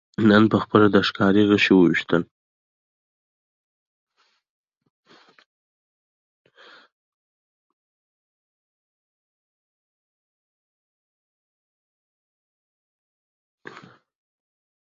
نن پخپله د ښکاري غشي ویشتلی